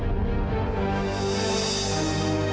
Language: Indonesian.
kenapa howie resultado yang jauh